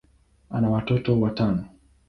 ana watoto watano.